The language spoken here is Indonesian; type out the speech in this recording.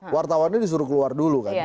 wartawannya disuruh keluar dulu